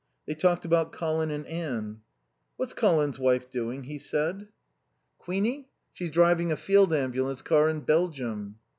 They talked about Colin and Anne. "What's Colin's wife doing?" he said. "Queenie? She's driving a field ambulance car in Belgium."